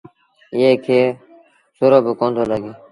ايئي کي سرو با ڪوندو لڳي۔